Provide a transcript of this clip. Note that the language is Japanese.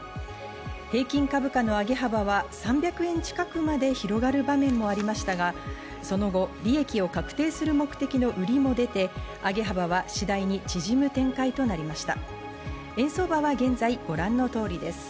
平均株価の上げ幅は３００円近くまで広がる場面もありましたが、その後、利益を確定する目的の売りも出て、上げ幅は次第に縮む展開となりました。